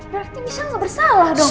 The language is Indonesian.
berarti misalnya gak bersalah dong